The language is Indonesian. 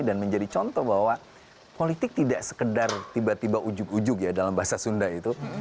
dan menjadi contoh bahwa politik tidak sekedar tiba tiba ujug ujug ya dalam bahasa sunda itu